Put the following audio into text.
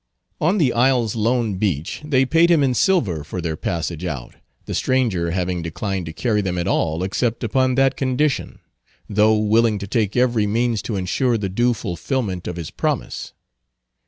On the isle's lone beach they paid him in silver for their passage out, the stranger having declined to carry them at all except upon that condition; though willing to take every means to insure the due fulfillment of his promise.